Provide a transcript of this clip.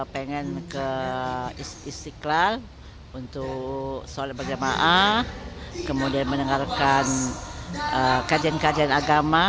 pengen ke istiqlal untuk sholat berjamaah kemudian mendengarkan kajian kajian agama